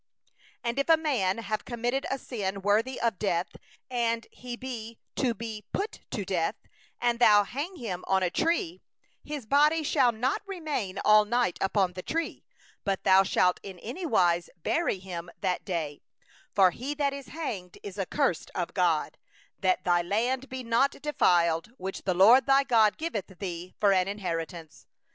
22And if a man have committed a sin worthy of death, and he be put to death, and thou hang him on a tree; 23his body shall not remain all night upon the tree, but thou shalt surely bury him the same day; for he that is hanged is a reproach unto God; that thou defile not thy land which the LORD thy God giveth thee for an inheritance.